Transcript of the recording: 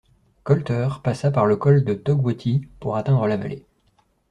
Colter passa par le col de Togwotee pour atteindre la vallée.